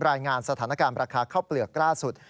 รายงานสถานการณ์ราคาข้าวเปลือกล่าสุด